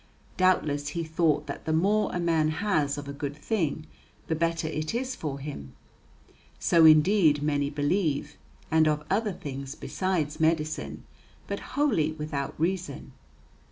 Doubtless he thought that the more a man has of a good thing, the better it is for him. (So indeed many believe, and of other things besides medicine, but wholly without reason).